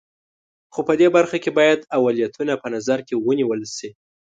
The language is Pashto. خو په دې برخه کې باید اولویتونه په نظر کې ونیول شي.